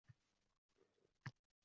Men omonat hisobi ochmoqchiman.